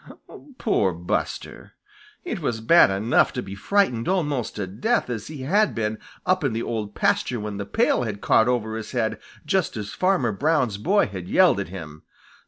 Poor Buster! It was bad enough to be frightened almost to death as he had been up in the Old Pasture when the pail had caught over his head just as Farmer Brown's boy had yelled at him.